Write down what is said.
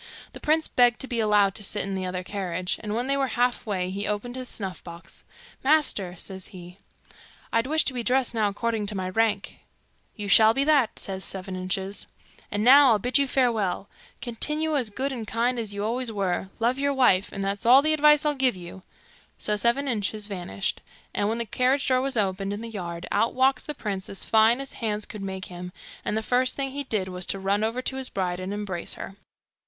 The prince begged to be allowed to sit in the other carriage, and when they were half way he opened his snuff box. 'Master,' says he, 'I'd wish to be dressed now according to my rank.' 'You shall be that,' says Seven Inches. 'And now I'll bid you farewell. Continue as good and kind as you always were; love your wife; and that's all the advice I'll give you.' So Seven Inches vanished; and when the carriage door was opened in the yard, out walks the prince as fine as hands could make him, and the first thing he did was to run over to his bride and embrace her.